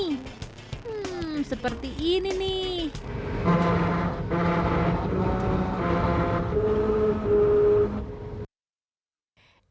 hmm seperti ini nih